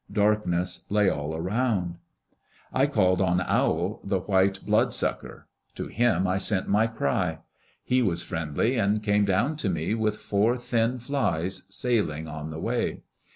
Darkness lay all around. I called on Owl, the white blood sucker. To him I sent my cry. He was friendly and came down to me with four thin flys (sailing) on the way.